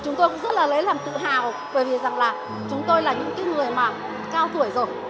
chúng tôi cũng rất là lấy làm tự hào bởi vì chúng tôi là những người cao tuổi rồi